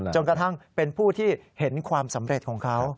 จนกระทั่งเป็นผู้ที่เห็นความสำเร็จของเขา